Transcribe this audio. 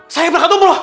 saya berangkat umroh